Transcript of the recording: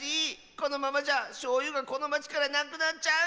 このままじゃしょうゆがこのまちからなくなっちゃう！